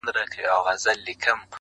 په خبرو په کیسو ورته ګویا سو،